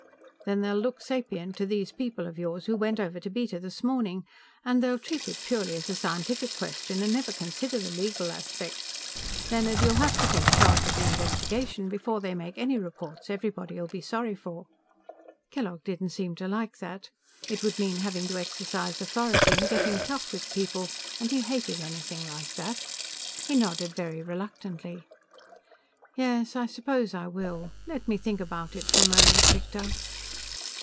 "Then they'll look sapient to these people of yours who went over to Beta this morning, and they'll treat it purely as a scientific question and never consider the legal aspects. Leonard, you'll have to take charge of the investigation, before they make any reports everybody'll be sorry for." Kellogg didn't seem to like that. It would mean having to exercise authority and getting tough with people, and he hated anything like that. He nodded very reluctantly. "Yes. I suppose I will. Let me think about it for a moment, Victor."